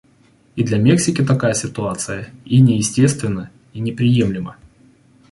И для Мексики такая ситуация и не естественна, и не приемлема.